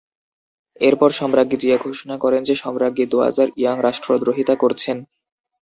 এরপর সম্রাজ্ঞী জিয়া ঘোষণা করেন যে সম্রাজ্ঞী দোয়াজার ইয়াং রাষ্ট্রদ্রোহীতা করছেন।